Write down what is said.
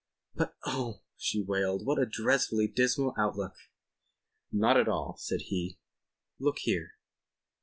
"But oh," she wailed. "What a dreadfully dismal outlook." "Not at all," said he. "Look here